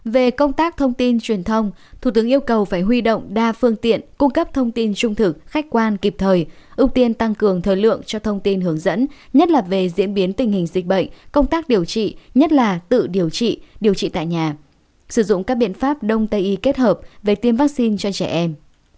về công tác thông tin truyền thông thủ tướng yêu cầu phải huy động đa phương tiện cung cấp thông tin trung thực khách quan kịp thời ưu tiên tăng cường thời lượng cho thông tin hướng dẫn nhất là về diễn biến tình hình dịch bệnh công tác điều trị nhất là tự điều trị điều trị tại nhà sử dụng các biện pháp đông tây y kết hợp về tiêm vaccine cho trẻ em